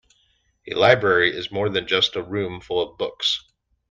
A library is more than just a room full of books